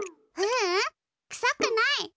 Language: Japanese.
ううんくさくない。